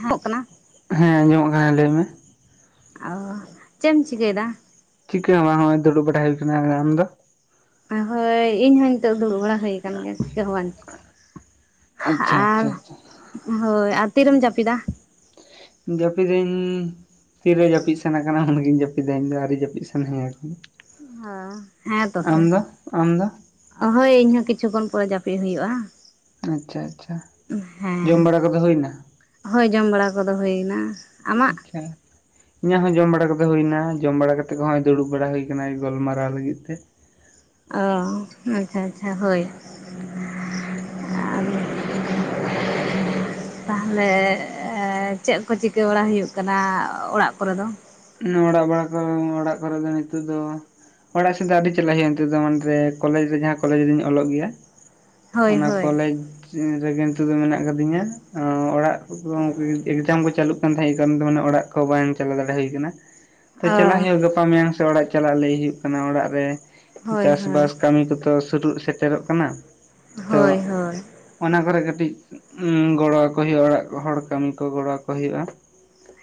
ᱦᱟᱜ [unintelligible] ᱠᱟᱱᱟ ᱦᱮᱸ ᱟᱡᱚᱢᱚᱜ ᱠᱟᱱᱟ ᱞᱟᱹᱭ ᱢᱮ ᱚ ᱪᱮᱫ ᱮᱢ ᱪᱤᱠᱟᱹᱭ ᱫᱟ ᱪᱤᱠᱟᱹ ᱦᱚᱵᱟᱝ ᱦᱚᱜ-ᱚᱭ ᱫᱩᱲᱩᱵ ᱵᱟᱲᱟ ᱦᱩᱭ ᱟᱠᱟᱱᱟ ᱟᱢ ᱫᱚ ᱦᱳᱭ ᱤᱧᱦᱚᱸ ᱱᱤᱛᱚᱜ ᱫᱩᱲᱩᱵ ᱵᱟᱲᱟ ᱦᱩᱭ ᱟᱠᱟᱱ ᱜᱮᱭᱟ ᱪᱤᱠᱟᱹ ᱦᱚᱸᱵᱟᱝ ᱟᱪᱪᱷᱟ ᱟᱪᱪᱷᱟ ᱟᱪᱪᱷᱟ ᱦᱳᱭ ᱟᱨ ᱛᱤᱨᱮᱢ ᱡᱟᱹᱯᱤᱫᱟ ᱡᱟᱹᱯᱤᱫᱟᱹᱧ ᱛᱤᱨᱮ ᱡᱟᱹᱯᱤᱫ ᱥᱟᱱᱟ ᱠᱟᱱᱟ ᱤᱧ ᱡᱟᱹᱯᱤᱫᱟ ᱤᱧᱫᱚ ᱟᱹᱣᱨᱤ ᱡᱟᱹᱯᱤᱫ ᱥᱟᱱᱟᱧᱟ ᱟᱨᱠᱤ ᱦᱳᱸ ᱦᱮᱸ ᱛᱚ ᱯᱮ ᱟᱢ ᱫᱚ ᱦᱳᱭ ᱤᱧᱦᱚᱸ ᱠᱤᱪᱷᱩᱜᱚᱱ ᱯᱚᱨᱮ ᱡᱟᱹᱯᱤᱫ ᱦᱩᱭᱩᱜ-ᱟ ᱟᱪᱪᱷᱟ ᱟᱪᱪᱷᱟ ᱡᱚᱢ ᱵᱟᱲᱟ ᱠᱚᱫᱚ ᱦᱩᱭ ᱮᱱᱟ ᱦᱚᱭ ᱡᱚᱢ ᱵᱟᱲᱟ ᱠᱚᱫᱚ ᱦᱩᱭ ᱮᱱᱟ ᱟᱪᱪᱷᱟ ᱤᱧᱟᱹᱜ ᱦᱚᱸ ᱡᱚᱢ ᱵᱟᱲᱟ ᱠᱟᱛᱮ ᱦᱩᱭᱱᱟ ᱡᱚᱢ ᱵᱟᱲᱟ ᱠᱟᱛᱮ ᱠᱚᱦᱚᱭ ᱫᱩᱲᱩᱵ ᱵᱟᱲᱟ ᱦᱩᱭ ᱟᱠᱟᱱᱟ ᱜᱟᱞᱢᱟᱨᱟᱣ ᱞᱟᱹᱜᱤᱫ ᱛᱮ ᱚ ᱟᱪᱪᱷᱟ ᱟᱪᱪᱷᱟ ᱦᱳᱭ ᱟᱨ ᱛᱟᱦᱚᱞᱮ ᱪᱮᱫ ᱠᱚ ᱪᱤᱠᱟᱹ ᱵᱟᱲᱟ ᱦᱩᱭᱩᱜ ᱠᱟᱱᱟ ᱚᱲᱟᱜ ᱠᱚᱨᱮ ᱫᱚ ᱚᱲᱟᱜ ᱵᱟᱲᱟ ᱠᱚ ᱚᱲᱟᱜ ᱠᱚᱨᱮ ᱫᱚ ᱱᱤᱛᱚᱜ ᱫᱚ ᱚᱲᱟᱜ ᱥᱮᱫ ᱫᱚ ᱟᱹᱰᱤ ᱪᱟᱞᱟᱜ ᱦᱩᱭᱩᱜ-ᱟ ᱱᱤᱛᱚᱜ ᱫᱚ ᱢᱟᱱ ᱨᱮ ᱠᱚᱞᱮᱡᱽ ᱨᱮ ᱡᱟᱦᱟᱸ ᱠᱚᱞᱮᱡᱽ ᱨᱤᱧ ᱚᱞᱚᱜ ᱜᱮᱭᱟ ᱦᱳᱭ ᱚᱱᱟ ᱦᱳᱭ ᱠᱚᱞᱮᱡᱽ ᱨᱮᱜᱮ ᱱᱤᱛᱚᱜ ᱫᱚ ᱢᱮᱱᱟᱜ ᱟᱠᱟᱫᱤᱧᱟ᱾ ᱮᱸᱻ ᱚᱲᱟᱜ ᱼᱼ [unintelligible] ᱮᱠᱡᱟᱢ ᱠᱚ ᱪᱟᱹᱞᱩᱜ ᱠᱟᱱ ᱛᱟᱦᱮᱸᱜ ᱮ ᱠᱟᱨᱚᱱ ᱛᱮ ᱢᱟᱱᱮ ᱚᱲᱟᱜ ᱠᱚ ᱵᱟᱝ ᱪᱟᱞᱟᱣ ᱫᱟᱲᱮ ᱦᱩᱭ ᱠᱟᱱᱟ। ᱛᱚ ᱚ ᱪᱟᱞᱟᱜ ᱦᱩᱭᱩᱜ ᱜᱟᱯᱟ ᱢᱮᱭᱟᱝ ᱥᱮᱫ ᱚᱲᱟᱜ ᱪᱟᱞᱟᱜ ᱞᱟᱹᱭ ᱦᱩᱭᱩᱜ ᱠᱟᱱᱟ ᱚᱲᱟᱜ ᱨᱮ। ᱦᱳᱭ ᱦᱳᱭ ᱪᱟᱥᱵᱟᱥ ᱠᱟᱹᱢᱤ ᱠᱚᱫᱚ ᱥᱩᱨᱩᱜ ᱥᱮᱴᱮᱨᱚᱜ ᱠᱟᱱᱟ। ᱛᱚ ᱦᱳᱭ ᱦᱳᱭ ᱚᱱᱟ ᱠᱚᱨᱮ ᱠᱟᱹᱴᱤᱡ ᱜᱚᱲᱚ ᱟᱠᱚ ᱦᱩᱭᱩᱜᱼᱟ ᱚᱲᱟᱜ ᱦᱚᱲ ᱠᱟᱹᱢᱤ ᱠᱚ ᱜᱚᱲᱚ ᱟᱠᱚ ᱦᱩᱭᱩᱜᱼᱟ।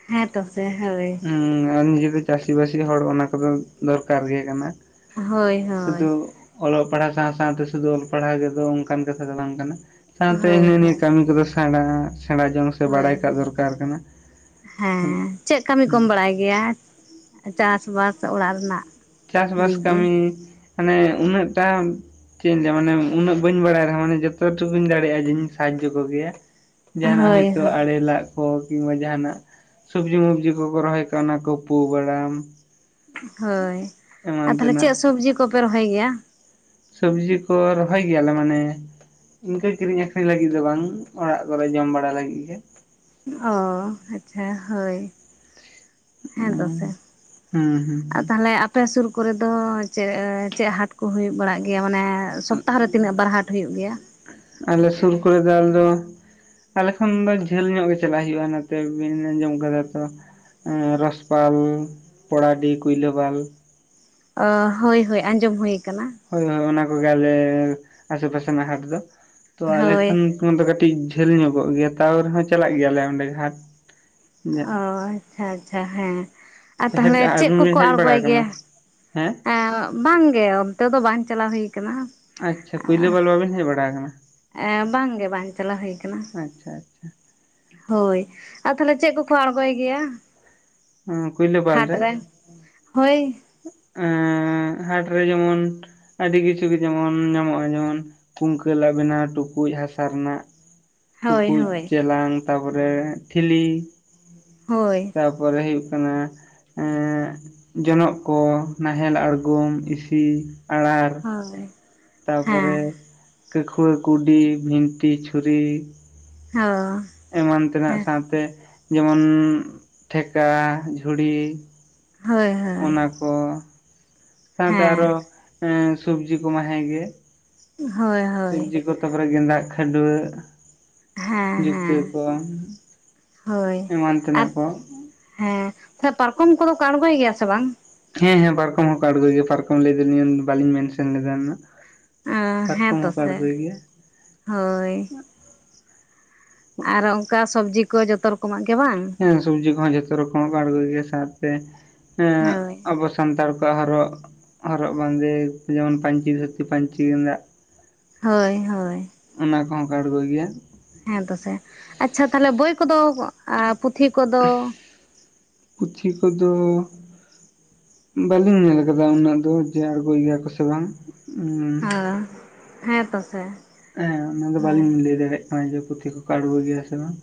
ᱦᱮᱸ ᱛᱚ ᱥᱮ ᱦᱳᱭ᱾ ᱦᱮᱸ ᱟᱢ ᱡᱩᱫᱤ ᱪᱟᱹᱥᱤ ᱵᱟᱥᱤ ᱦᱚᱲ ᱚᱱᱟ ᱠᱚᱫᱚ ᱫᱚᱨᱠᱟᱨ ᱜᱮ ᱠᱟᱱᱟ। ᱦᱳᱭ ᱦᱳᱭ ᱦᱳᱭ ᱥᱩᱫᱷᱩ ᱼᱼ ᱚᱞᱚᱜ ᱯᱟᱲᱦᱟᱣ ᱥᱟᱶ ᱥᱟᱶᱛᱮ ᱥᱩᱫᱷᱩ ᱚᱞ ᱯᱟᱲᱦᱟᱣ ᱨᱮᱫᱚ [unintelligible] ᱚᱱᱠᱟᱱ ᱠᱟᱛᱷᱟ ᱫᱚ ᱵᱟᱝ ᱠᱟᱱᱟ। ᱥᱟᱶᱛᱮ ᱦᱳᱭ ᱦᱤᱱᱟᱹ ᱱᱤᱭᱟᱹ ᱠᱟᱹᱢᱤ ᱠᱚᱫᱚ ᱥᱮᱬᱟ᱾ ᱥᱮᱬᱟ ᱡᱚᱝ। ᱥᱮ ᱵᱟᱲᱟᱭ ᱦᱳᱭ ᱠᱟᱜ ᱦᱳᱭ ᱫᱚᱨᱠᱟᱨ ᱠᱟᱱᱟ ᱦᱮᱸ ᱪᱮᱫ ᱠᱟᱹᱢᱤ ᱠᱚᱢ ᱵᱟᱲᱟᱭ ᱜᱮᱭᱟ ᱪᱟᱥ ᱵᱟᱥ ᱚᱲᱟᱜ ᱨᱮᱱᱟᱜ ᱪᱟᱥᱵᱟᱥ ᱫᱤᱠ ᱫᱤᱭᱮ ᱠᱟᱹᱢᱤ ᱢᱟᱱᱮ ᱩᱱᱟᱹᱜᱴᱟ ᱪᱮᱫ ᱤᱧ ᱞᱟᱹ ᱢᱟᱱᱮ ᱩᱱᱟᱹᱜ ᱵᱟᱹᱧ ᱵᱟᱲᱟᱭ ᱨᱮᱦᱚᱸᱟᱱ ᱡᱚᱛᱚ ᱴᱩᱠᱩᱧ ᱫᱟᱲᱮᱭᱟᱜᱼᱟ ᱡᱮᱧ ᱥᱟᱦᱟᱡᱽᱡᱚ ᱠᱚᱜᱮᱭᱟ। ᱡᱟᱦᱱᱟᱜ ᱦᱳᱭ ᱦᱳᱭᱛᱳ ᱦᱳᱭ ᱟᱲᱮ ᱞᱟᱜ ᱼᱼ ᱠᱚ ᱠᱤᱢᱵᱟ ᱡᱟᱦᱟᱱᱟᱜ ᱥᱚᱵᱽᱡᱤ ᱢᱚᱵᱽᱡᱤ ᱠᱚᱠᱚ ᱨᱚᱦᱚᱭ ᱠᱟᱜᱼᱟ ᱚᱱᱟ ᱠᱚ ᱯᱩ ᱵᱟᱟᱲᱟᱢ। ᱦᱳᱭ ᱟᱨ ᱛᱟᱦᱟᱞᱮ ᱛᱮᱱᱟᱜ ᱪᱮᱫ ᱥᱚᱵᱽᱡᱤ ᱠᱚᱯᱮ ᱨᱚᱦᱚᱭ ᱜᱮᱭᱟ? ᱥᱚᱵᱽᱡᱤ ᱠᱚ ᱨᱚᱦᱚᱭ ᱜᱮᱭᱟᱞᱮ᱾ ᱢᱟᱱᱮ ᱼᱼ ᱤᱱᱠᱟᱹ ᱠᱤᱨᱤᱧ ᱟᱠᱷᱨᱤᱧ ᱞᱟᱹᱜᱤᱫ ᱫᱚ ᱵᱟᱝ᱾ ᱚᱲᱟᱜ ᱠᱚᱨᱮ ᱡᱚᱢ ᱵᱟᱲᱟ ᱞᱟᱹᱜᱤᱫ ᱜᱮ। ᱚᱦᱚ ᱟᱪᱪᱷᱟ ᱦᱳᱭ। ᱦᱮᱸ ᱫᱚᱥᱮ ᱦᱩᱸ ᱦᱩᱸ ᱟᱨ ᱦᱩᱸ ᱛᱟᱦᱟᱞᱮ ᱼᱼ ᱟᱯᱮ ᱥᱩᱨ ᱠᱚᱨᱮ ᱫᱚ ᱪᱮᱫ ᱪᱮᱫ ᱦᱟᱴ ᱠᱚ ᱦᱩᱭᱩᱜ ᱵᱟᱲᱟᱜ ᱜᱮᱭᱟ? ᱢᱟᱱᱮ ᱼᱼ ᱟᱞᱮ ᱥᱩᱨ ᱠᱚᱨᱮ ᱫᱚ ᱟᱞᱮ ᱫᱚ ᱼᱼ ᱛᱟᱦᱟᱞᱮ ᱠᱷᱟᱱ ᱫᱚ ᱡᱷᱟᱹᱞ ᱧᱚᱜ ᱜᱮ ᱪᱟᱞᱟᱜ ᱦᱳᱭᱳᱜᱼᱟ ᱚᱱᱟᱚᱛ ᱵᱤᱱ ᱟᱸᱡᱚᱢ ᱟᱠᱟᱫᱟ ᱛᱚ? ᱨᱟᱚᱥᱯᱟᱞ ᱯᱚᱲᱟᱰᱤ ᱠᱩᱭᱞᱟᱹ ᱵᱟᱞ। ᱚᱻ ᱦᱳᱭ ᱦᱳᱭ ᱟᱸᱡᱚᱢ ᱦᱩᱭ ᱠᱟᱱᱟ। ᱦᱳᱭ ᱦᱳᱭ ᱚᱱᱟ ᱠᱚᱜᱮ ᱟᱞᱮ ᱟᱥᱮ ᱯᱟᱥᱮ ᱨᱮᱱᱟᱜ ᱦᱟᱴ ᱫᱚ᱾ ᱛᱚ ᱟᱞᱮ ᱦᱳᱭ ᱠᱷᱟᱱ ᱼᱼ ᱠᱷᱚᱱ ᱫᱚ ᱠᱟᱹᱴᱤᱡ ᱡᱷᱟᱹᱞ ᱧᱚᱜᱚᱜ ᱜᱮᱭᱟ ᱛᱟᱣ ᱨᱮᱦᱚᱸ ᱪᱟᱞᱟᱜ ᱜᱮᱭᱟᱞᱮ ᱚᱸᱰᱮ ᱜᱷᱟᱴ। ᱚ ᱟᱪᱪᱷᱟ ᱟᱪᱪᱷᱟ ᱦᱮᱸ। ᱟᱨ ᱦᱮᱡ ᱛᱟᱦᱟᱞᱮ ᱪᱮᱫ ᱟᱹᱵᱤᱱ ᱵᱤᱱ ᱠᱚᱠᱚ ᱦᱮᱡ ᱵᱟᱲᱟ ᱟᱬᱜᱚᱭ ᱟᱠᱟᱱᱟ ᱜᱮᱭᱟ? ᱦᱮᱸ ᱮᱸᱻ ᱵᱟᱝ ᱜᱮ ᱚᱱᱛᱮ ᱫᱚ ᱵᱟᱝ ᱪᱟᱞᱟᱣ ᱦᱩᱭ ᱠᱟᱱᱟ। ᱟᱪᱪᱷᱟ ᱠᱩᱭᱞᱟᱹ ᱵᱟᱞ ᱵᱟᱵᱤᱱ ᱦᱮᱡ ᱵᱟᱲᱟ ᱠᱟᱱᱟ? ᱮ ᱵᱟᱝᱜᱮ ᱵᱟᱝ ᱪᱟᱞᱟᱣ ᱦᱩᱭ ᱟᱠᱟᱱᱟ। ᱟᱪᱪᱷᱟ ᱟᱪᱪᱷᱟ ᱦᱳᱭ ᱟᱨ ᱛᱟᱦᱟᱞᱮ ᱪᱮᱫ ᱠᱚᱠᱚ ᱟᱲᱜᱚᱭ ᱜᱮᱭᱟ? ᱠᱩᱭᱞᱟᱹᱵᱟᱞ ᱦᱟᱴ ᱨᱮ ᱨᱮᱱ ᱦᱳᱭ ᱼᱼ ᱮᱸ ᱦᱟᱴᱨᱮ ᱡᱮᱢᱚᱱ ᱟᱹᱰᱤ ᱠᱤᱪᱷᱩ ᱜᱮ ᱡᱮᱢᱚᱱ ᱧᱟᱢᱚᱜᱼᱟ᱾ ᱡᱮᱢᱚᱱ ᱼᱼ ᱠᱩᱝᱠᱟᱹᱞᱟᱜ ᱵᱮᱱᱟᱣ ᱴᱩᱠᱩᱡ ᱦᱟᱥᱟ ᱨᱮᱱᱟᱜ। ᱦᱳᱭ ᱴᱩᱠᱩᱡ ᱦᱳᱭ ᱪᱮᱞᱟᱝ ᱛᱟᱨᱯᱚᱨᱮ ᱴᱷᱤᱞᱤ। ᱦᱳᱭ ᱛᱟᱯᱚᱨᱮ ᱦᱩᱭᱩᱜ ᱠᱟᱱᱟ ᱮᱸᱻ ᱡᱚᱱᱚᱜ। ᱠᱚ ᱱᱟᱦᱮᱞ ᱟᱬᱜᱚᱢ ᱤᱥᱤ ᱟᱲᱟᱨ [unintelligible] ᱦᱳᱭ ᱛᱟᱯᱚᱨᱮ ᱦᱮᱸ ᱠᱟᱹᱠᱷᱩᱣᱟᱹ ᱠᱩᱰᱤ ᱵᱷᱤᱱᱴᱷᱤ ᱪᱷᱩᱨᱤ। ᱦᱚᱻ ᱮᱢᱟᱱ ᱛᱮᱱᱟᱜ ᱥᱟᱶᱛᱮ ᱡᱮᱢᱚᱱ ᱴᱷᱮᱠᱟ ᱡᱷᱩᱲᱤ। ᱦᱳᱭ ᱦᱳᱭ ᱚᱱᱟ ᱠᱚ ᱥᱟᱶᱛᱮ ᱦᱮᱸ ᱟᱨᱚ ᱮᱸᱻ ᱥᱚᱵᱡᱤ ᱠᱚᱢᱟ ᱦᱮᱸᱜ ᱜᱮ। ᱦᱳᱭ ᱦᱳᱭ ᱥᱚᱵᱽᱡᱤ ᱠᱚ ᱛᱟᱨᱯᱚᱨᱮ ᱜᱮᱸᱫᱟᱜ ᱠᱷᱟᱹᱰᱣᱟᱹᱜ। ᱦᱮᱸ ᱡᱩᱛᱟᱹ ᱦᱮᱸ ᱠᱚ ᱦᱳᱭ ᱮᱢᱟᱱ ᱟᱨ ᱛᱮᱱᱟᱜ ᱠᱚ᱾ ᱦᱮᱸ ᱛᱟᱦᱮᱞᱮ‌ ᱯᱟᱨᱠᱚᱢ ᱠᱚᱫᱚ ᱠᱚ ᱟᱬᱜᱚᱭ ᱜᱮᱭᱟ ᱥᱮ ᱵᱟᱝ? ᱦᱮᱸ ᱦᱮᱸ ᱯᱟᱨᱠᱚᱢ ᱦᱚᱸ ᱠᱚ ᱟᱜᱩᱭ ᱜᱮ ᱯᱟᱨᱠᱚᱢ ᱞᱟᱹᱭ ᱫᱟᱹᱞᱤᱧ ᱵᱟᱞᱤᱧ ᱢᱮᱱᱥᱮᱱ ᱞᱮᱫᱟ ᱱᱟᱜᱼᱼᱼ ᱟᱸᱻ ᱦᱮᱸᱛᱚ ᱥᱮ ᱦᱚᱭ᱾ ᱟᱨ ᱚᱱᱠᱟ ᱥᱚᱵᱽᱡᱤ ᱠᱚ ᱡᱚᱛᱚ ᱨᱚᱠᱚᱢᱟᱜ ᱜᱮ ᱵᱟᱝ? ᱦᱮᱸ ᱥᱚᱵᱽᱡᱤ ᱠᱚᱦᱚᱸ ᱡᱷᱚᱛᱚ ᱨᱚᱠᱚᱢᱟᱜ ᱠᱚ ᱟᱬᱜᱩᱭ ᱜᱮᱭᱟ ᱥᱟᱶᱛᱮᱼᱼ ᱦᱮᱸᱜ ᱦᱳᱭ ᱟᱵᱚ ᱥᱟᱱᱛᱟᱲ ᱠᱚᱣᱟᱜ ᱦᱚᱨᱚᱜᱼᱼ ᱦᱚᱨᱚᱜ ᱵᱟᱸᱫᱮ ᱡᱮᱢᱚᱱ ᱯᱟᱧᱪᱤ ᱫᱷᱩᱛᱤ ᱯᱟᱹᱧᱪᱤ ᱜᱮᱸᱫᱟᱜᱼᱼ ᱦᱚᱭ ᱦᱚᱭ᱾ ᱚᱱᱟ ᱠᱚᱦᱚᱸ ᱠᱚ ᱟᱬᱜᱩᱭ ᱜᱮᱭᱟ᱾ ᱦᱮᱸ ᱛᱚ ᱥᱮ ᱟᱪᱪᱷᱟ ᱛᱟᱦᱚᱞᱮ ᱵᱳᱭ ᱠᱚᱫᱚ ᱮᱸ ᱯᱩᱛᱷᱤ ᱠᱚᱫᱚᱼᱼ ᱯᱩᱪᱷᱤ ᱠᱚᱫᱚᱼᱼ ᱵᱟᱹᱞᱤᱧ ᱧᱮᱞ ᱠᱟᱫᱟ ᱩᱱᱟᱹᱜ ᱫᱚ ᱡᱮ ᱟᱬᱜᱩᱭ ᱜᱮᱭᱟ ᱠᱚ ᱥᱮ ᱵᱟᱝ। ᱮᱸᱻ ᱦᱮᱸ ᱦᱮᱸ ᱛᱚ ᱥᱮ ᱦᱮᱸ ᱚᱱᱟᱫᱚ ᱵᱟᱹᱞᱤᱧ ᱞᱟᱹᱭ ᱫᱟᱲᱮᱭᱟᱜ ᱠᱟᱱᱟ ᱡᱮ ᱯᱩᱛᱷᱤ ᱠᱚᱠᱚ ᱟᱬᱜᱚᱭ ᱜᱮᱭᱟ ᱥᱮ ᱵᱟᱝ।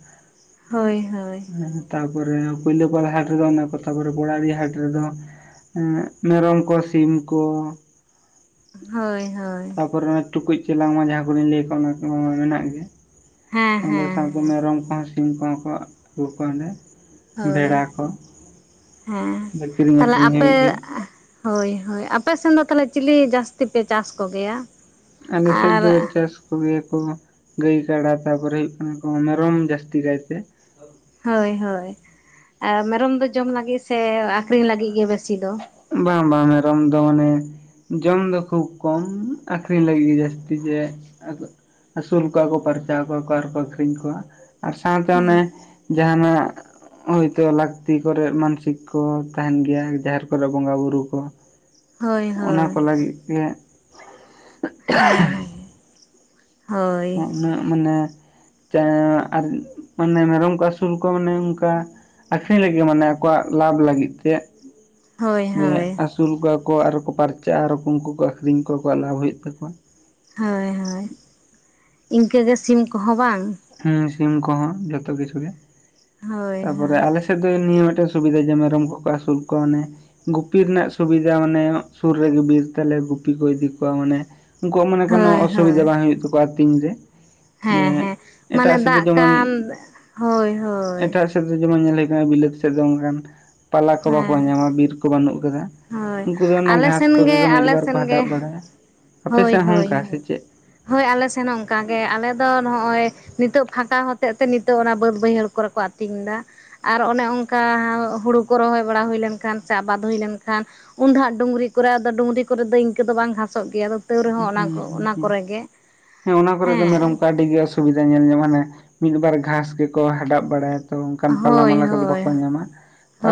ᱦᱳᱭ ᱦᱳᱭ ᱦᱮᱸ ᱛᱟᱨᱯᱚᱨᱮ ᱯᱩᱭᱞᱟᱹ ᱯᱟᱲᱟ ᱦᱟᱴ ᱨᱮᱫᱚ ᱚᱱᱟ ᱠᱚ ᱛᱟᱯᱚᱨᱮ ᱯᱚᱲᱟᱵᱤ ᱦᱟᱴ ᱨᱮᱫᱚᱼᱼ ᱮᱸᱜ ᱢᱮᱨᱚᱢ ᱠᱚ ᱥᱤᱢ ᱠᱚ᱾ ᱦᱚᱭ ᱦᱚᱭ᱾ ᱯᱚᱨᱮ ᱴᱩᱠᱩᱡ ᱪᱮᱞᱟᱝ ᱢᱟ ᱡᱟᱦᱟᱸ ᱠᱩᱞᱤᱧ ᱞᱟᱹᱭ ᱟᱠᱟᱜ ᱚᱱᱟ ᱠᱚ ᱢᱮᱱᱟᱜ ᱜᱮ᱾ ᱦᱮᱸ ᱦᱮᱸ ᱛᱟᱨ ᱩᱱᱠᱩ ᱦᱮᱸ ᱢᱮᱨᱚᱢ ᱠᱚᱦᱚᱸ ᱥᱤᱢ ᱠᱚᱦᱚᱸ ᱠᱚ ᱟᱹᱜᱩ ᱠᱚᱣᱟ ᱚᱸᱰᱮ ᱵᱷᱮᱲᱟ ᱦᱳᱭ ᱠᱚ᱾ ᱦᱮᱸ ᱠᱤᱨᱤᱧ ᱛᱟᱦᱚᱞᱮ ᱟᱹᱠᱷᱨᱤᱧ ᱟᱯᱮᱼᱼ ᱦᱩᱭᱩᱜ ᱜᱮᱭᱟ ᱦᱳᱭ ᱦᱳᱭ ᱟᱯᱮ ᱥᱮᱱ ᱫᱚ ᱛᱟᱦᱚᱞᱮ ᱪᱤᱞᱤ ᱡᱟᱥᱛᱤ ᱯᱮ ᱪᱟᱥ ᱠᱚ ᱜᱮᱭᱟ? ᱟᱞᱮ ᱥᱮᱫ ᱫᱚ ᱪᱟᱥᱼᱼ ᱠᱚᱜᱮ ᱠᱚ ᱜᱟᱹᱭ ᱠᱟᱰᱟ ᱛᱟᱯᱚᱨᱮ ᱦᱩᱭᱩᱜ ᱠᱟᱱᱟ ᱠᱚ ᱢᱮᱨᱚᱢ ᱡᱟᱹᱥᱛᱤ ᱠᱟᱭ ᱛᱮ᱾ ᱦᱚᱭ ᱦᱚᱭ ᱮ ᱢᱮᱨᱚᱢ ᱫᱚ ᱡᱚᱢ ᱞᱟᱜᱤᱫ ᱥᱮ ᱟᱠᱷᱨᱤᱧ ᱞᱟᱹᱜᱤᱫ ᱜᱮ ᱵᱮᱥᱤ ᱫᱚᱼᱼ ᱵᱟᱝ ᱵᱟᱝ ᱢᱮᱨᱚᱢ ᱫᱚ ᱢᱟᱱᱮ ᱡᱚᱢ ᱫᱚ ᱠᱷᱩᱵ ᱠᱚᱢ ᱟᱠᱷᱨᱤᱧ ᱞᱟᱹᱜᱤᱫ ᱜᱮ ᱡᱟᱹᱥᱛᱤ ᱜᱮ ᱟᱫᱚ ᱟᱹᱥᱩᱞ ᱠᱚᱣᱟ ᱠᱚ ᱯᱟᱨᱪᱟᱣ ᱠᱚᱣᱟ ᱠᱚ ᱟᱨ ᱠᱚ ᱟᱹᱠᱷᱨᱤᱧ ᱠᱚᱣᱟ ᱟᱨ ᱥᱟᱶᱛᱮ ᱚᱱᱮ ᱡᱟᱦᱟᱸᱱᱟᱜ ᱦᱳᱭᱛᱚ ᱞᱟᱹᱠᱛᱤ ᱠᱚᱨᱮᱜ ᱢᱟᱱᱥᱤᱠ ᱠᱚ ᱛᱟᱦᱮᱸᱱ ᱜᱮᱭᱟ ᱡᱟᱦᱮᱨ ᱠᱚᱨᱮ ᱵᱚᱸᱜᱟ ᱵᱩᱨᱩ ᱠᱚ ᱦᱳᱭ ᱚᱱᱟ ᱦᱳᱭ ᱠᱚ ᱞᱟᱜᱤᱫ ᱜᱮ ᱦᱮᱸᱻ ᱦᱮᱸᱻ᱾ ᱦᱚᱸ ᱩᱱᱟᱹᱜ ᱢᱟᱱᱮ ᱪᱟᱸᱭᱟᱜ ᱟᱨ ᱢᱟᱱᱮ ᱢᱮᱨᱚᱢ ᱠᱚ ᱟᱹᱥᱩᱞ ᱠᱚᱣᱟ ᱢᱟᱱᱮ ᱚᱱᱠᱟ ᱟᱠᱷᱨᱤᱧ ᱞᱟᱹᱜᱤᱜ ᱢᱟᱱᱮ ᱟᱠᱚᱣᱟᱜ ᱞᱟᱵᱷ ᱞᱟᱹᱜᱤᱫ ᱛᱮ᱾ ᱦᱳᱭ ᱡᱮ ᱦᱳᱭ ᱟᱥᱩᱞ ᱠᱚᱣᱟ ᱠᱚ ᱟᱨ ᱠᱚ ᱯᱟᱨᱪᱟᱜ-ᱟ, ᱟᱨᱚ ᱠᱚ ᱩᱱᱠᱩ ᱠᱚ ᱟᱠᱷᱨᱤᱧ ᱠᱚᱣᱟ ᱟᱠᱚᱣᱟᱜ ᱞᱟᱵᱷ ᱦᱩᱭᱩᱜ ᱛᱟᱠᱚᱣᱟ᱾ ᱦᱳᱭ ᱦᱳᱭ ᱤᱱᱠᱟᱹ ᱜᱮ ᱥᱤᱢ ᱠᱚᱦᱚᱸ ᱵᱟᱝ? ᱦᱩᱸ ᱥᱤᱢ ᱠᱚᱦᱚᱸ ᱡᱚᱛᱚ ᱠᱤᱪᱷᱩ ᱜᱮ᱾ ᱦᱳᱭ ᱛᱟᱨᱯᱚᱨᱮ ᱦᱳᱭ ᱟᱞᱮ ᱥᱮᱜ ᱫᱚ ᱱᱤᱭᱟᱹ ᱴᱤᱜᱴᱮᱜ ᱥᱩᱵᱤᱫᱟ ᱡᱮ ᱢᱮᱨᱚᱢ ᱠᱚᱠᱚ ᱟᱥᱩᱞ ᱠᱚᱣᱟ ᱢᱟᱱᱮ ᱜᱩᱯᱤ ᱨᱮᱱᱟᱜ ᱥᱩᱵᱤᱫᱟ ᱢᱟᱱᱮ ᱥᱩᱨ ᱨᱮᱜᱮ ᱵᱤᱨ ᱛᱟᱞᱮ ᱜᱩᱯᱤ ᱠᱚ ᱤᱫᱤ ᱠᱚᱣᱟ ᱢᱟᱱᱮ ᱩᱱᱠᱩᱣᱟᱜ ᱢᱟᱱᱮ ᱠᱳᱱᱳ ᱦᱳᱭ ᱚᱥᱩᱵᱤᱫᱟ ᱵᱟᱝ ᱦᱩᱭᱩᱜ ᱛᱟᱠᱚᱣᱟ ᱟᱛᱤᱧ ᱨᱮ᱾ ᱡᱮ ᱦᱮᱸᱻ ᱦᱮᱸᱻ ᱢᱟᱱᱮ ᱮᱴᱟᱜ ᱥᱮᱫ ᱫᱚ ᱫᱟᱜ ᱡᱮᱢᱚᱱ ᱠᱟᱱ ᱦᱳᱭᱻ ᱦᱳᱭ᱾ ᱮᱴᱟᱜ ᱥᱮᱫ ᱫᱚ ᱡᱮᱢᱚᱱ ᱧᱮᱞ ᱦᱩᱭᱩᱜ ᱠᱟᱱᱟ ᱵᱤᱞᱟᱹᱛ ᱥᱮᱫ ᱫᱚ ᱚᱱᱠᱟᱱ ᱯᱟᱞᱟ ᱠᱚ ᱵᱟᱠᱚ ᱦᱮᱸ ᱧᱟᱢᱟ ᱵᱤᱨ ᱠᱚ ᱵᱟᱱᱩᱜ ᱠᱟᱫᱟ᱾ ᱦᱳᱭ ᱩᱱᱠᱩ ᱜᱮ ᱚᱱᱟ ᱟᱞᱮ ᱜᱷᱟᱸᱥ ᱥᱮᱱ ᱠᱚᱜᱮ ᱜᱮ ᱠᱚ ᱢᱤᱫ ᱟᱞᱮ ᱵᱟᱨ ᱠᱚ ᱥᱮᱱ ᱜᱮ ᱦᱟᱰᱟᱵ ᱵᱟᱲᱟᱭᱟ ᱟᱯᱮ ᱦᱳᱭ ᱥᱮᱜ ᱦᱚᱸ ᱦᱳᱭ ᱚᱝᱠᱟ ᱦᱳᱭ ᱥᱮ ᱪᱮᱫ? ᱦᱳᱭ ᱟᱞᱮ ᱥᱮᱱ ᱦᱚᱸ ᱚᱱᱠᱟ ᱜᱮ ᱟᱞᱮ ᱫᱚ ᱱᱚᱜ-ᱚᱭ ᱱᱤᱛᱚᱜ ᱯᱷᱟᱸᱠᱟ ᱦᱚᱛᱮᱜ ᱛᱮ ᱱᱤᱛᱚᱜ ᱚᱱᱟ ᱵᱟᱹᱫᱽ ᱵᱟᱹᱭᱦᱟᱹᱲ ᱠᱚᱨᱮ ᱠᱚ ᱟᱛᱤᱧ ᱫᱟ᱾ ᱟᱨ ᱚᱱᱮ ᱚᱱᱠᱟ ᱦᱩᱲᱩ ᱠᱚ ᱨᱚᱦᱚᱭ ᱵᱟᱲᱟ ᱦᱩᱭ ᱞᱮᱱᱠᱷᱟᱱ ᱥᱮ ᱟᱵᱟᱫᱽ ᱦᱩᱭ ᱞᱮᱱ‌ ᱠᱷᱟᱱ ᱩᱱ ᱫᱚ ᱦᱟᱸᱜ ᱰᱩᱝᱜᱽᱨᱤ ᱠᱚᱨᱮ, ᱟᱫᱚ ᱰᱩᱝᱨᱤ ᱠᱚᱨᱮ ᱫᱚ ᱤᱱᱠᱟᱹ ᱫᱚ ᱵᱟᱝ ᱜᱷᱟᱸᱥᱚᱜ ᱜᱮᱭᱟ ᱟᱫᱚ ᱛᱟᱹᱣ ᱨᱮᱦᱚᱸ ᱩᱸ ᱚᱱᱟ ᱦᱩᱸᱻ ᱠᱚ ᱦᱩᱸᱻ ᱚᱱᱟ ᱦᱩᱸᱻ ᱠᱚᱨᱮ ᱜᱮ ᱦᱮᱸ ᱚᱱᱟ ᱠᱚᱨᱮ ᱫᱚ ᱦᱮᱸ ᱢᱮᱨᱚᱢ ᱠᱚ ᱟᱰᱤ ᱜᱮ ᱟᱥᱩ ᱥᱩᱵᱤᱫᱟ ᱧᱮᱞ ᱧᱟᱢᱚᱜ-ᱟ ᱦᱟᱱᱮ ᱢᱤᱫ ᱵᱟᱨ ᱜᱷᱟᱸᱥ ᱜᱮᱠᱚ ᱦᱟᱰᱟᱵ ᱵᱟᱲᱟᱭᱟ᱾ ᱛᱚ ᱚᱱᱠᱟᱱ ᱯᱟᱞᱟ ᱦᱳᱭ ᱢᱟᱞᱟ ᱠᱚᱫᱚ ᱦᱳᱭ ᱵᱟᱠᱚ ᱧᱟᱢᱟ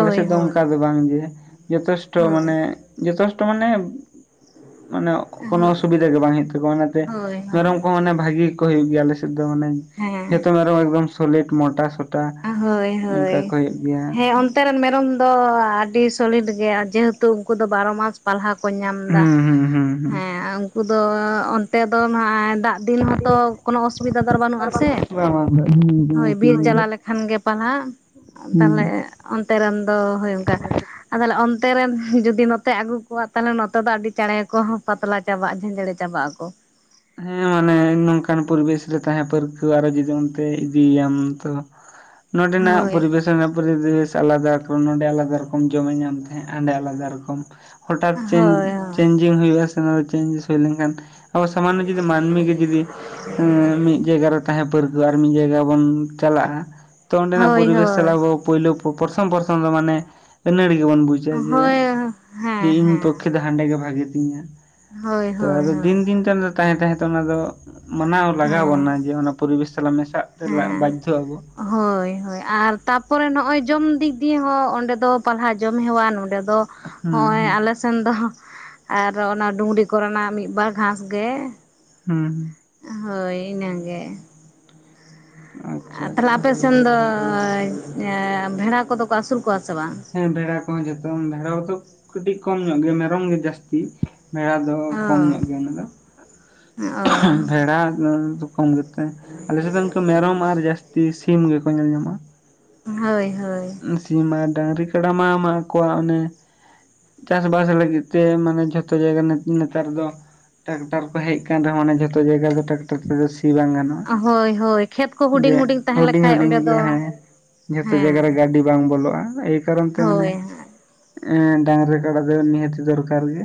ᱟᱞᱮ ᱥᱮᱫ ᱫᱚ ᱦᱳᱭ ᱚᱱᱠᱟ ᱫᱚ ᱵᱟᱝ ᱡᱮ ᱡᱚᱛᱷᱮᱥᱴᱚ ᱦᱳᱭ ᱢᱟᱱᱮ, ᱡᱚᱛᱷᱮᱥᱴᱚ ᱢᱟᱱᱮ, ᱢᱟᱱᱮ ᱠᱳᱱᱳ ᱦᱳᱭ ᱚᱥᱩᱵᱤᱫᱷᱟ ᱜᱮ ᱵᱟᱝ ᱦᱩᱭᱩᱜ ᱛᱟᱠᱚᱣᱟ, ᱚᱱᱟ ᱛᱮ ᱦᱳᱭ ᱢᱮᱨᱚᱢ ᱠᱚᱦᱚᱸ ᱢᱟᱱᱮ ᱵᱷᱟᱜᱤ ᱜᱮ ᱠᱚ ᱦᱩᱭᱩᱜ ᱜᱮᱭᱟ ᱟᱞᱮ ᱥᱮᱫ ᱫᱚ ᱢᱟᱱᱮ ᱦᱮᱸ ᱡᱷᱚᱛᱚ ᱢᱮᱨᱚᱢ ᱮᱠᱫᱚᱢ ᱥᱚᱞᱤᱴ ᱢᱚᱴᱟ ᱥᱚᱴᱟ ᱚᱱᱠᱟ ᱠᱚ ᱦᱩᱭᱩᱜ ᱜᱮᱭᱟ᱾ ᱱᱚᱛᱮ ᱨᱮᱱ ᱢᱮᱨᱚᱢ ᱫᱚ ᱟᱹᱰᱤ ᱥᱳᱞᱮᱴ ᱜᱮ, ᱡᱮᱦᱮᱛᱩ ᱩᱱᱠᱩ ᱫᱚ ᱵᱟᱨᱚ ᱢᱟᱥ ᱯᱟᱞᱦᱟ ᱵᱟᱠᱚ ᱧᱟᱢ ᱫᱟ ᱦᱩᱸ ᱦᱩᱸ ᱦᱩᱸ ᱦᱩᱸ ᱦᱮᱸ ᱩᱱᱠᱩ ᱫᱚ ᱚᱱᱛᱮ ᱫᱚ ᱱᱟ ᱫᱟᱜ ᱫᱤᱱ ᱦᱚᱸᱛᱚ ᱠᱳᱱᱚ ᱚᱥᱩᱵᱤᱫᱟ ᱫᱚ ᱟᱨ ᱵᱟᱹᱱᱩᱜ ᱟᱥᱮ, ᱵᱟᱝ ᱦᱳᱭ ᱵᱤᱨ ᱪᱟᱞᱟᱣ ᱵᱟᱝ ᱞᱮᱠᱷᱟᱱ ᱠᱷᱟᱱ ᱜᱮ ᱯᱟᱞᱦᱟ ᱛᱟᱦᱚᱞᱮ ᱚᱱᱛᱮ ᱨᱮᱱ ᱫᱚ ᱦᱳᱭ ᱚᱱᱠᱟ ᱟᱫᱚ ᱛᱟᱦᱚᱞᱮ ᱚᱱᱛᱮ ᱨᱮᱱ ᱡᱩᱫᱤ ᱱᱚᱛᱮ ᱟᱹᱜᱩ ᱠᱚᱣᱟ, ᱛᱟᱦᱚᱞᱮ ᱱᱚᱛᱮ ᱫᱚ ᱟᱹᱰᱤ ᱪᱟᱸᱬᱮ ᱜᱮ ᱠᱚ ᱯᱟᱛᱞᱟ ᱪᱟᱵᱟᱜᱼᱟ, ᱡᱮᱡᱲᱮ ᱪᱟᱵᱟᱜ ᱟᱠᱚ᱾ ᱦᱮᱸ ᱢᱟᱱᱮ ᱱᱚᱝᱠᱟᱱ ᱯᱚᱨᱤᱵᱮᱥ ᱨᱮ ᱛᱟᱦᱮᱸ ᱯᱟᱹᱨᱠᱟᱹᱣ, ᱟᱨᱦᱚᱸ ᱡᱩᱫᱤ ᱚᱱᱛᱮ ᱤᱫᱤ ᱭᱮᱭᱟᱢ ᱛᱚ [inaudible] ᱱᱚᱸᱰᱮ ᱱᱟᱜ ᱦᱳᱭ ᱯᱚᱨᱤᱵᱮᱥ ᱥᱮ ᱚᱱᱟ ᱯᱚᱨᱤᱵᱮᱥ ᱟᱞᱟᱫᱟ ᱨᱚᱠᱚᱢ, ᱱᱚᱸᱰᱮ ᱟᱞᱟᱫᱟ ᱨᱚᱠᱚᱢ, ᱡᱚᱢᱮ ᱧᱟᱢ ᱛᱟᱦᱮᱸᱜ-ᱟ ᱦᱟᱸᱰᱮ ᱟᱞᱟᱫᱟ ᱨᱚᱠᱚᱢ᱾ ᱦᱚᱴᱟᱠ ᱪᱮᱧ ᱦᱳᱭ ᱪᱮᱧᱡᱤᱝ ᱦᱩᱭᱩᱜ-ᱟ ᱥᱮ, ᱱᱚᱣᱟ ᱫᱚ ᱪᱮᱧᱡᱤᱥ ᱦᱩᱭ ᱞᱮᱱᱠᱷᱟᱱ ᱥᱚᱢᱟᱱᱱᱚ ᱡᱩᱫᱤ ᱢᱟᱱᱢᱤ ᱜᱮ ᱡᱩᱫᱤ ᱮᱸᱻ ᱢᱤᱫ ᱡᱟᱭᱜᱟ ᱨᱮ ᱛᱟᱦᱮᱸ ᱯᱟᱹᱨ ᱟᱨ ᱢᱤᱫ ᱡᱟᱭᱜᱟ ᱵᱚᱱ ᱪᱟᱞᱟᱜ-ᱟ ᱛᱚ ᱚᱸᱰᱮᱱᱟᱜ ᱦᱳᱭ ᱦᱳᱭ ᱯᱚᱨᱤᱵᱮᱥ ᱥᱟᱞᱟᱜ ᱦᱳᱭ ᱟᱵᱚ ᱯᱳᱭᱞᱳ ᱯᱨᱚᱛᱷᱚᱢ ᱯᱨᱚᱛᱷᱚᱢ ᱫᱚ ᱢᱟᱱᱮ ᱟᱹᱱᱟᱹᱲᱤ ᱜᱮᱵᱚᱱ ᱵᱩᱡᱟ ᱡᱮ ᱦᱳᱭ ᱡᱮ ᱦᱮᱸ ᱤᱧ ᱦᱮᱸ ᱯᱚᱠᱠᱷᱮ ᱫᱚ ᱦᱟᱸᱰᱮ ᱜᱮ ᱵᱷᱟᱜᱮ ᱛᱤᱧᱟᱹ, ᱦᱳᱭ ᱛᱚ ᱦᱳᱭ ᱟᱫᱚ ᱦᱳᱭ ᱫᱤᱱ ᱫᱤᱱ ᱛᱮ ᱛᱟᱦᱮᱸ ᱛᱟᱦᱮᱸᱛᱮ ᱚᱱᱟ ᱫᱚ ᱢᱟᱱᱟᱣ ᱞᱟᱜᱟᱣ ᱵᱚᱱᱟ ᱦᱮᱸ ᱡᱮ ᱚᱱᱟ ᱯᱚᱨᱤᱵᱮᱥ ᱥᱟᱞᱟᱜ ᱢᱮᱥᱟᱜ ᱪᱟᱞᱟᱜ ᱦᱮᱸ ᱵᱟᱫᱫᱷᱚ ᱟᱵᱚ ᱦᱳᱭ ᱦᱳᱭ ᱟᱨ ᱛᱟᱯᱚᱨᱮ ᱱᱚᱜ-ᱚᱭ ᱡᱚᱢ ᱫᱤᱠ ᱫᱤᱭᱮ ᱦᱚᱸ, ᱚᱸᱰᱮ ᱫᱚ ᱯᱟᱞᱦᱟ ᱡᱚᱢ ᱦᱮᱣᱟ ᱱᱚᱸᱰᱮ ᱫᱚ ᱦᱩᱸ ᱦᱚᱜᱸᱚᱭ ᱦᱩᱸ ᱟᱞᱮ ᱥᱮᱱ ᱫᱚ ᱟᱨ ᱚᱱᱟ ᱰᱩᱝᱨᱤ ᱠᱚ ᱨᱮᱱᱟᱜ ᱢᱤᱫ ᱵᱟᱨ ᱜᱷᱟᱸᱥ ᱜᱮ ᱦᱩᱸ ᱦᱳᱭ ᱤᱱᱟᱹ ᱜᱮ ᱟᱨ ᱟᱪᱪᱷᱟ ᱛᱟᱦᱚᱞᱮ ᱟᱪᱪᱷᱟ ᱟᱯᱮ ᱥᱮᱱ ᱫᱚ ᱵᱷᱮᱲᱟ ᱠᱚᱫᱚ ᱠᱚ ᱟᱥᱩᱞ ᱠᱚᱣᱟ ᱥᱮ ᱵᱟᱝ ᱦᱮᱸ ᱵᱷᱮᱲᱟ ᱠᱚᱦᱚᱸ ᱡᱚᱛᱚ ᱵᱷᱮᱲᱟ ᱠᱚᱫᱚ ᱠᱟᱹᱴᱤᱡ ᱠᱚᱢ ᱧᱚᱜ ᱜᱮ ᱢᱮᱨᱚᱢ ᱜᱮ ᱡᱟᱹᱥᱛᱤ ᱵᱷᱮᱲᱟ ᱫᱚ ᱠᱚᱢ ᱧᱚᱜ ᱚ ᱜᱮᱭᱟ ᱚᱱᱟ ᱫᱚ ᱚ ᱵᱷᱮᱲᱟ ᱠᱚᱢ ᱜᱮ ᱛᱮ ᱟᱞᱮ ᱥᱮᱫ ᱫᱚ ᱤᱱᱠᱟᱹ ᱢᱮᱨᱚᱢ ᱟᱨ ᱡᱟᱹᱥᱛᱤ ᱥᱤᱢ ᱜᱮᱠᱚ ᱧᱮᱞ ᱧᱟᱢᱚᱜᱼᱟ ᱦᱳᱭ ᱦᱳᱭ ᱥᱤᱢ ᱟᱨ ᱰᱟᱝᱜᱨᱤ ᱠᱟᱰᱟ ᱢᱟ ᱮᱢᱟ ᱠᱚᱣᱟ ᱚᱱᱮ ᱪᱟᱥ ᱵᱟᱥ ᱞᱟᱹᱜᱤᱫ ᱛᱮ ᱢᱟᱱᱮ ᱡᱷᱚᱛᱚ ᱡᱟᱭᱜᱟ ᱱᱮᱛ ᱱᱮᱛᱟᱨ ᱫᱚ ᱴᱟᱠᱴᱟᱨ ᱠᱚ ᱦᱮᱡ ᱮᱱ ᱨᱮᱦᱚᱸ ᱚᱱᱟ ᱡᱚᱛᱚ ᱡᱟᱭᱜᱟ ᱫᱚ ᱴᱟᱠᱴᱚᱨ ᱛᱮᱫᱚ ᱥᱤ ᱵᱟᱝ ᱜᱟᱱᱚᱜ-ᱟ ᱦᱳᱭ ᱦᱳᱭ ᱠᱷᱮᱛ ᱠᱚ ᱡᱮ ᱦᱩᱰᱤᱧ ᱛᱟᱦᱮᱸ ᱦᱩᱰᱤᱧ ᱞᱮᱠᱷᱟᱡ ᱦᱩᱰᱤᱧ ᱚᱸᱰᱮ ᱫᱚ ᱜᱮᱭᱟ ᱦᱮᱸ ᱡᱷᱚᱛᱚ ᱡᱟᱜᱟ ᱨᱮ ᱦᱮᱸ ᱜᱟᱹᱰᱤ ᱵᱟᱝ ᱵᱚᱞᱚᱜ-ᱟ ᱮᱭ ᱠᱟᱨᱚᱱ ᱛᱮ ᱢᱟᱱᱮ ᱦᱳᱭ ᱮᱸ ᱰᱟᱝᱜᱨᱤ ᱠᱟᱰᱟ ᱫᱚ ᱱᱤᱦᱟᱹᱛᱤ ᱫᱚᱨᱠᱟᱨ ᱜᱮ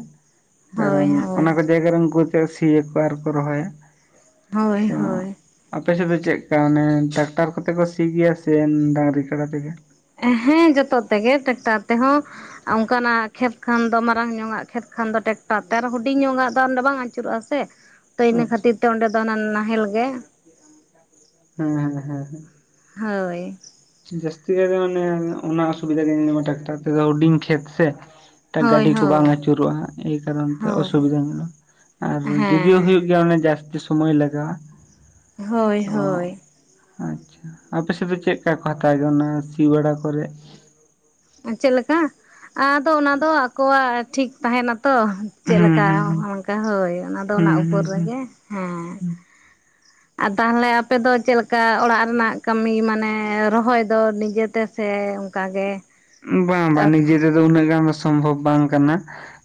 ᱦᱳᱭ ᱠᱟᱨᱚᱱ ᱚᱱᱟ ᱦᱳᱭ ᱠᱚ ᱡᱟᱭᱜᱟ ᱨᱮ ᱩᱱᱠᱩ ᱪᱟ ᱥᱤ ᱭᱟᱠᱚ ᱟᱨ ᱠᱚ ᱨᱚᱦᱚᱭᱟ ᱦᱳᱭ ᱛᱚ ᱦᱳᱭ ᱟᱯᱮ ᱥᱮᱫ ᱫᱚ ᱪᱮᱫ ᱠᱟ ᱚᱱᱮ ᱴᱨᱟᱠᱴᱟᱨ ᱠᱚᱛᱮ ᱠᱚ ᱥᱤ ᱜᱮᱭᱟ ᱥᱮ ᱰᱟᱝᱜᱨᱤ ᱠᱟᱰᱟ ᱛᱮᱜᱮ ᱦᱮᱸ ᱡᱚᱛᱚ ᱛᱮᱜᱮ ᱴᱮᱠᱴᱟᱨ ᱛᱮᱦᱚᱸ ᱚᱱᱠᱟ ᱱᱟᱜ ᱠᱷᱮᱛ ᱠᱷᱟᱱ ᱫᱚ ᱢᱟᱨᱟᱝ ᱧᱚᱜᱼᱟᱜ ᱠᱷᱮᱛ ᱠᱷᱟᱱ ᱫᱚ ᱴᱮᱠᱴᱟᱨ ᱛᱮ ᱟᱨ ᱦᱩᱰᱤᱧ ᱧᱚᱜᱼᱟᱜ ᱫᱚ ᱚᱰᱮ ᱵᱟᱝ ᱟᱹᱪᱩᱨᱚᱜᱼᱟ ᱥᱮ ᱛᱚ ᱤᱱᱟᱹ ᱟᱪᱪᱷᱟ ᱠᱷᱟᱹᱛᱤᱨ ᱛᱮ ᱚᱸᱰᱮ ᱫᱚ ᱚᱱᱟ ᱱᱟᱦᱮᱞ ᱜᱮ ᱦᱮᱸ ᱦᱮᱸ ᱦᱮᱸ ᱦᱮᱸ ᱦᱳᱭ ᱡᱟᱹᱥᱛᱤ ᱡᱟᱜᱟ ᱛᱮ ᱢᱟᱱᱮ ᱚᱱᱟ ᱚᱥᱩᱵᱤᱫᱟ ᱜᱮ ᱧᱮᱞ ᱧᱟᱢᱟ ᱴᱮᱠᱴᱟᱨ ᱛᱮᱫᱚ ᱦᱩᱰᱤᱧ ᱠᱷᱮᱛ ᱥᱮ ᱦᱳᱭ ᱜᱟᱹᱰᱤ ᱠᱚ ᱵᱟᱝ ᱦᱳᱭ ᱟᱹᱪᱩᱨᱚᱜᱼᱟ ᱮᱭ ᱠᱟᱨᱚᱱ ᱛᱮ ᱦᱳᱭ ᱚᱥᱩᱵᱤᱫᱟ ᱧᱚᱜ-ᱟ ᱟᱨ ᱡᱩᱫᱤᱭᱳ ᱦᱮᱸ ᱦᱩᱭᱩᱜ ᱜᱮᱭᱟ ᱚᱱᱮ ᱡᱟᱥᱛᱤ ᱥᱚᱢᱚᱭ ᱞᱟᱜᱟᱣᱟ ᱦᱳᱭ ᱛᱚ ᱦᱳᱭ ᱟᱪᱪᱷᱟ ᱟᱯᱮ ᱥᱮᱫ ᱫᱚ ᱪᱮᱫ ᱠᱟ ᱠᱚ ᱦᱟᱛᱟᱣ ᱜᱮᱭᱟ ᱚᱱᱟ ᱥᱤ ᱵᱟᱲᱟ ᱠᱚᱨᱮ ᱪᱮᱫ ᱞᱮᱠᱟ ᱟᱫᱚ ᱚᱱᱟ ᱫᱚ ᱟᱠᱚᱣᱟᱜ ᱴᱷᱤᱠ ᱛᱟᱦᱮᱱᱟ ᱛᱚ ᱪᱮᱫ ᱦᱩᱸ ᱞᱮᱠᱟ ᱦᱩᱸ ᱦᱩᱸ ᱚᱱᱠᱟ ᱦᱳᱭ ᱚᱱᱟ ᱫᱚ ᱚᱱᱟ ᱦᱩᱸ ᱩᱯᱚᱨ ᱦᱩᱸ ᱨᱮᱜᱮ ᱦᱩᱸ ᱦᱮᱸ ᱟᱨ ᱛᱟᱦᱮᱞᱮ ᱟᱯᱮ ᱫᱚ ᱪᱮᱫ ᱞᱮᱠᱟ ᱚᱲᱟᱜ ᱨᱮᱱᱟᱜ ᱠᱟᱹᱢᱤ ᱢᱟᱱᱮ ᱨᱚᱦᱚᱭ ᱫᱚ ᱱᱤᱡᱮᱛᱮ ᱥᱮ ᱚᱱᱠᱟ ᱜᱮ ᱵᱟᱝ ᱵᱟᱝ ᱱᱤᱡᱮ ᱛᱮᱫᱚ ᱩᱱᱟᱹᱜ ᱜᱟᱱ ᱫᱚ ᱥᱚᱢᱵᱷᱚᱵ ᱵᱟᱝ ᱠᱟᱱᱟ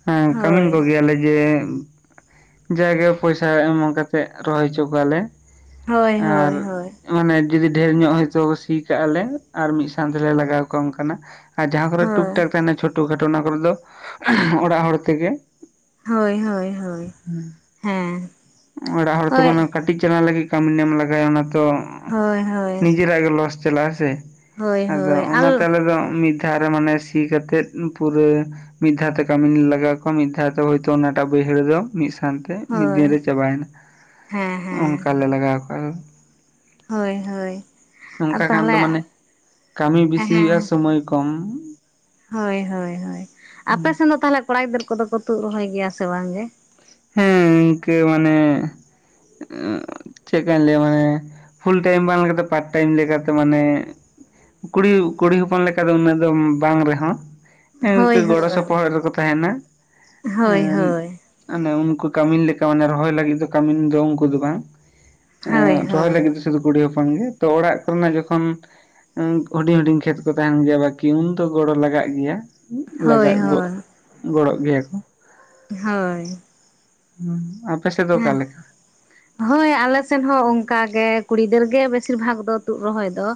ᱦᱮᱸ ᱠᱟᱹᱢᱤᱱ ᱦᱳᱭ ᱠᱚ ᱜᱮᱭᱟᱞᱮ ᱡᱮ ᱡᱟᱭᱜᱟ ᱯᱚᱭᱥᱟ ᱮᱢ ᱠᱟᱛᱮᱫ ᱨᱚᱦᱚᱭ ᱦᱚᱪᱚ ᱠᱚᱣᱟᱞᱮ ᱦᱳᱭ ᱟᱨ ᱦᱳᱭ ᱦᱳᱭ ᱢᱟᱱᱮ ᱡᱩᱫᱤ ᱰᱷᱮᱨ ᱧᱚᱜ ᱦᱚᱭᱛᱳ ᱥᱤ ᱠᱟᱜᱼᱟᱞᱮ ᱟᱨ ᱢᱤᱫ ᱥᱟᱶ ᱛᱮᱞᱮ ᱞᱟᱜᱟᱣ ᱠᱚᱣᱟ ᱚᱱᱠᱟᱱᱟᱜ ᱟᱨ ᱡᱟᱦᱟᱸ ᱠᱚᱨᱮ ᱴᱩᱠ ᱦᱳᱭ ᱴᱟᱠ ᱛᱟᱦᱮᱱᱟ ᱪᱷᱚᱴᱳ ᱠᱷᱟᱴᱳ ᱚᱱᱟ ᱠᱚᱨᱮ ᱫᱚ ᱚᱲᱟᱜ ᱦᱚᱲ ᱛᱮᱜᱮ ᱦᱳᱭ ᱦᱳᱭ ᱦᱳᱭ ᱦᱮᱸ ᱚᱲᱟᱜ ᱦᱚᱲ ᱛᱚ ᱦᱳᱭ ᱢᱟᱱᱮ ᱠᱟᱹᱴᱤᱡ ᱪᱟᱞᱟᱣ ᱞᱟᱹᱜᱤᱫ ᱠᱟᱹᱢᱤᱱ ᱮᱢ ᱞᱟᱜᱟᱭᱟ ᱚᱱᱟ ᱛᱚ ᱦᱳᱭ ᱦᱳᱭ ᱱᱤᱡᱮᱨᱟᱜ ᱜᱮ ᱞᱚᱥ ᱪᱟᱞᱟᱜᱼᱟ ᱥᱮ ᱦᱳᱭ ᱟᱫᱚ ᱦᱳᱭ ᱟᱞ ᱚᱱᱟᱛᱮ ᱟᱞᱮ ᱫᱚ ᱢᱤᱫ ᱫᱷᱟᱣ ᱨᱮ ᱢᱟᱱᱮ ᱥᱤ ᱠᱟᱛᱮᱫ ᱯᱩᱨᱟᱹ ᱢᱤᱫ ᱫᱷᱟᱣ ᱛᱮ ᱠᱟᱹᱢᱤᱱ ᱞᱟᱜᱟᱣ ᱠᱚᱣᱟ ᱢᱤᱫ ᱫᱷᱟᱣ ᱛᱮ ᱦᱳᱭᱛᱳ ᱚᱱᱟᱴᱟᱜ ᱵᱟᱹᱭᱦᱟᱹᱲ ᱫᱚ ᱢᱤᱫ ᱥᱟᱶ ᱠᱟᱱ ᱛᱮ ᱢᱤᱫ ᱦᱳᱭ ᱫᱤᱱ ᱨᱮ ᱪᱟᱵᱟᱭᱮᱱᱟ ᱦᱮᱸ ᱦᱮᱸ ᱚᱱᱠᱟ ᱞᱮ ᱞᱟᱜᱟᱣ ᱠᱚᱣᱟ ᱟᱞᱮ ᱫᱚ ᱦᱳᱭ ᱦᱳᱭ ᱟᱨ ᱚᱝᱠᱟ ᱠᱷᱟᱱ ᱫᱚ ᱛᱟᱦᱚᱞᱮ ᱢᱟᱱᱮ ᱠᱟᱹᱢᱤ ᱵᱤᱥᱤ ᱦᱩᱭᱩᱜᱼᱟ ᱦᱮᱸ ᱥᱚᱢᱚᱭ ᱠᱚᱢ ᱦᱳᱭ ᱦᱳᱭ ᱦᱳᱭ ᱟᱯᱮ ᱥᱮᱱ ᱫᱚ ᱛᱟᱦᱚᱞᱮ ᱠᱚᱲᱟ ᱜᱤᱫᱟᱹᱨ ᱠᱚᱫᱚ ᱠᱚ ᱛᱩᱫ ᱨᱚᱦᱚᱭ ᱜᱮᱭᱟ ᱥᱮ ᱵᱟᱝᱜᱮ ᱦᱮᱸ ᱤᱱᱠᱟᱹ ᱢᱟᱱᱮ ᱪᱮᱠᱟᱹᱧ ᱞᱟᱹᱭᱟ ᱢᱟᱱᱮ ᱯᱷᱩᱞ ᱴᱟᱭᱤᱢ ᱵᱟᱝ ᱠᱟᱛᱮ ᱯᱟᱴ ᱴᱟᱭᱤᱢ ᱞᱮᱠᱟᱛᱮ ᱢᱟᱱᱮ ᱠᱩᱲᱤ ᱠᱩᱲᱤ ᱦᱚᱯᱚᱱ ᱞᱮᱠᱟ ᱫᱚ ᱩᱱᱟᱹᱜ ᱫᱚ ᱵᱟᱝ ᱨᱮᱦᱚᱸ ᱦᱮᱸ ᱤᱱᱠᱟᱹ ᱦᱳᱭ ᱜᱚᱲᱚ ᱦᱳᱭ ᱥᱚᱯᱚᱦᱚᱫ ᱨᱮᱫᱚ ᱛᱟᱦᱮᱱᱟ ᱮ ᱦᱳᱭ ᱦᱳᱭ ᱢᱟᱱᱮ ᱩᱱᱠᱩ ᱠᱟᱹᱢᱤᱱ ᱞᱮᱠᱟ ᱢᱟᱱᱮ ᱨᱚᱦᱚᱭ ᱞᱟᱹᱜᱤᱫ ᱫᱚ ᱠᱟᱹᱢᱤᱱ ᱫᱚ ᱩᱱᱠᱩ ᱫᱚ ᱵᱟᱝ ᱮ ᱦᱳᱭ ᱨᱚᱦᱚᱭ ᱦᱳᱭ ᱞᱟᱹᱜᱤᱫ ᱫᱚ ᱥᱩᱫᱷᱩ ᱠᱩᱲᱤ ᱦᱚᱯᱚᱱ ᱜᱮ ᱛᱚ ᱚᱲᱟᱜ ᱠᱚᱨᱮᱱᱟᱜ ᱡᱚᱠᱷᱚᱱ ᱦᱩᱰᱤᱧ ᱦᱩᱰᱤᱧ ᱠᱷᱮᱛ ᱠᱚ ᱛᱟᱦᱮᱱ ᱜᱮᱭᱟ ᱵᱟᱹᱠᱤ ᱩᱱ ᱫᱚ ᱜᱚᱲᱚ ᱞᱟᱜᱟᱜ ᱜᱮᱭᱟ ᱦᱳᱭ ᱞᱟᱜᱟᱜ ᱜᱚ ᱦᱳᱭ ᱜᱚᱲᱚᱜ ᱜᱮᱭᱟ ᱠᱚ ᱦᱳᱭ ᱦᱩᱸ ᱟᱯᱮ ᱥᱮᱫ ᱫᱚ ᱚᱠᱟ ᱦᱮᱸ ᱞᱮᱠᱟ ᱦᱳᱭ ᱟᱞᱮ ᱥᱮᱫ ᱦᱚᱸ ᱚᱱᱠᱟᱜᱮ ᱠᱩᱲᱤ ᱜᱤᱫᱽᱨᱟᱹ ᱜᱮ ᱵᱮᱥᱤᱨ ᱵᱷᱟᱜ ᱫᱚ ᱛᱩᱫ ᱨᱚᱦᱚᱭ ᱫᱚ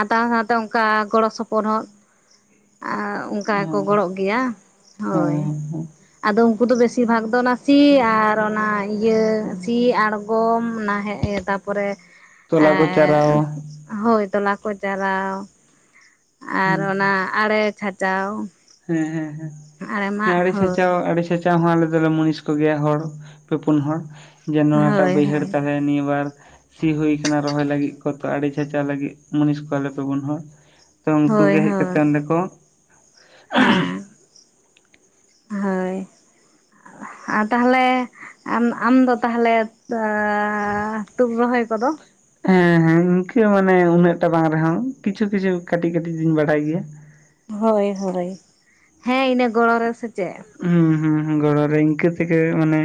ᱟᱫᱟ ᱦᱟᱸᱜ ᱫᱚ ᱚᱱᱠᱟ ᱜᱚᱲᱚ ᱥᱚᱯᱚᱫ ᱦᱚᱸ ᱟᱨ ᱚᱱᱠᱟ ᱜᱮ ᱠᱚ ᱦᱮᱸ ᱜᱚᱲᱚᱜ ᱜᱮᱭᱟ ᱦᱳᱭ ᱦᱮᱸ ᱦᱮᱸ ᱟᱫᱚ ᱩᱱᱠᱩ ᱫᱚ ᱵᱮᱥᱤᱨ ᱵᱷᱟᱜ ᱫᱚ ᱚᱱᱟ ᱥᱤ ᱟᱨ ᱚᱱᱟ ᱤᱭᱟᱹ ᱥᱤ ᱟᱬᱜᱚᱢ ᱱᱟ ᱛᱟᱨᱯᱚᱨᱮ ᱮ ᱛᱚᱞᱟ ᱠᱚ ᱪᱟᱨᱟᱣ ᱦᱳᱭ ᱛᱚᱞᱟ ᱠᱚ ᱡᱟᱨᱟᱣ ᱟᱨ ᱦᱮᱸ ᱦᱮᱸ ᱚᱱᱟ ᱟᱲᱮ ᱠᱷᱟᱪᱟᱣ ᱦᱮᱸ ᱦᱮᱸ ᱦᱮᱸ ᱟᱲᱮ ᱦᱳᱭ ᱠᱷᱟᱪᱟᱣ ᱟᱲᱮ ᱠᱷᱟᱪ ᱦᱚᱸ ᱟᱞᱮ ᱫᱚᱞᱮ ᱢᱩᱱᱤᱥ ᱠᱚ ᱜᱮᱭᱟ ᱦᱚᱲ ᱯᱮ ᱯᱩᱱ ᱦᱚᱲ ᱡᱮ ᱱᱚᱣᱟ ᱴᱟᱜ ᱦᱳᱭ ᱵᱟᱹᱭᱦᱟᱹᱲ ᱦᱳᱭ ᱛᱟᱦᱚᱞᱮ ᱱᱤᱭᱟᱹ ᱵᱟᱨ ᱥᱤ ᱦᱩᱭ ᱠᱟᱱᱟ ᱨᱚᱦᱚᱭ ᱞᱟᱹᱜᱤᱫ ᱠᱚ ᱛᱚ ᱟᱲᱮ ᱪᱷᱟᱪᱟᱣ ᱞᱟᱹᱜᱤᱫ ᱢᱩᱱᱤᱥ ᱠᱚ ᱟᱞᱮ ᱯᱮ ᱯᱩᱱ ᱦᱚᱲ ᱛᱚ ᱩᱱᱠᱩ ᱦᱳᱭ ᱜᱮ ᱦᱮᱡ ᱦᱳᱭ ᱠᱟᱛᱮᱜ ᱚᱸᱰᱮ ᱠᱚ ᱦᱮᱸ ᱦᱳᱭ ᱟᱨ ᱛᱟᱦᱚᱞᱮ ᱟᱢ ᱟᱢᱫᱚ ᱛᱟᱦᱚᱞᱮ ᱛᱩᱫ ᱨᱚᱦᱚᱭ ᱠᱚᱫᱚ ᱦᱮᱸ ᱦᱮᱸ ᱤᱱᱠᱟᱹ ᱢᱟᱱᱮ ᱩᱱᱟᱹᱜ ᱴᱟᱜ ᱵᱟᱝ ᱨᱮᱦᱚᱸ ᱠᱤᱪᱷᱩ ᱠᱤᱪᱷᱩ ᱠᱟᱹᱴᱤᱡ ᱠᱟᱹᱴᱤᱡ ᱧ ᱵᱟᱲᱟᱭ ᱜᱮᱭᱟ ᱦᱳᱭ ᱦᱳᱭ ᱦᱮᱸ ᱤᱱᱟᱹ ᱜᱚᱲᱚ ᱨᱮ ᱥᱮ ᱪᱮᱫ ᱦᱩᱸ ᱦᱩᱸ ᱜᱚᱲᱚ ᱨᱮ ᱤᱱᱠᱟᱹ ᱛᱮᱜᱮ ᱢᱟᱱᱮ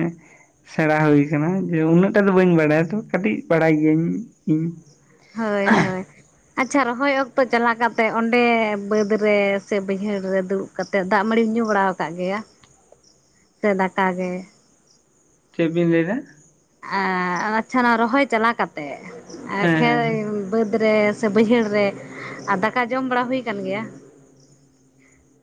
ᱥᱮᱬᱟ ᱦᱩᱭ ᱠᱟᱱᱟ ᱡᱮ ᱩᱱᱟᱹᱜ ᱴᱟᱜ ᱫᱚ ᱵᱟᱹᱧ ᱵᱟᱲᱟᱭᱟ ᱛᱚ ᱠᱟᱹᱴᱤᱡ ᱵᱟᱲᱟᱭ ᱜᱤᱭᱟᱹᱤᱧ ᱦᱳᱭ ᱦᱳᱭ ᱟᱪᱪᱷᱟ ᱨᱚᱦᱚᱭ ᱚᱠᱛᱚ ᱪᱟᱞᱟᱣ ᱠᱟᱛᱮ ᱚᱸᱰᱮ ᱵᱟᱹᱫᱽ ᱨᱮ ᱥᱮ ᱵᱟᱹᱭᱦᱟᱹᱲ ᱨᱮ ᱫᱩᱲᱩᱵ ᱠᱟᱛᱮᱫ ᱫᱟᱜ ᱢᱟᱹᱲᱤᱢ ᱧᱩ ᱵᱟᱲᱟ ᱠᱟᱜ ᱜᱮᱭᱟ ᱥᱮ ᱫᱟᱠᱟ ᱜᱮ ᱪᱮᱫ ᱵᱤᱱ ᱞᱟᱹᱭ ᱮᱫᱟ ᱟᱪᱪᱷᱟ ᱱᱚᱣᱟ ᱨᱚᱦᱚᱭ ᱪᱟᱞᱟᱣ ᱠᱟᱛᱮᱫ ᱦᱮᱸ ᱦᱮᱸ ᱠᱷᱮᱛ ᱦᱮᱸ ᱵᱟᱹᱫᱽ ᱨᱮ ᱥᱮ ᱵᱟᱹᱭᱦᱟᱹᱲ ᱨᱮ ᱟ ᱫᱟᱠᱟ ᱡᱚᱢ ᱵᱟᱲᱟ ᱦᱩᱭ ᱠᱟᱱ ᱜᱮᱭᱟ